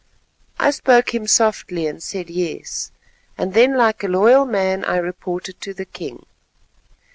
I spoke him softly and said 'yes,' and then like a loyal man I reported to the king."